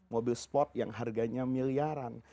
mobil sport yang harganya miliaran